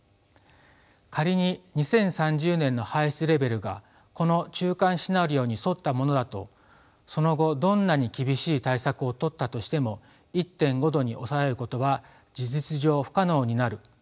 仮に２０３０年の排出レベルがこの中間シナリオに沿ったものだとその後どんなに厳しい対策をとったとしても１．５℃に抑えることは事実上不可能になるとされています。